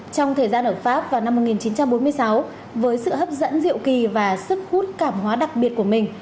trong thời gian ở pháp vào năm một nghìn chín trăm bốn mươi sáu với sự hấp dẫn diệu kỳ và sức hút cảm hóa đặc biệt của mình